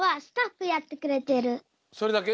それだけ？